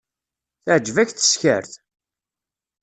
Teεǧeb-ak teskert?